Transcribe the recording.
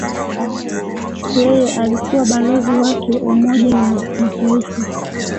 Yeye alikuwa Balozi wake Umoja wa Mataifa